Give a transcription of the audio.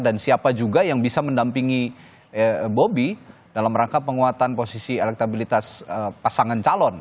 dan siapa juga yang bisa mendampingi bobi dalam rangka penguatan posisi elektabilitas pasangan calon